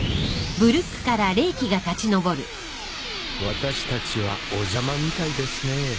私たちはお邪魔みたいですねぇ。